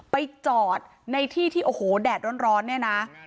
ไปจอดในที่ที่โอ้โหแดดร้อนเนี่ยนะ